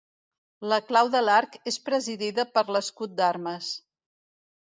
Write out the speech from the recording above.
La clau de l'arc és presidida per l'escut d'armes.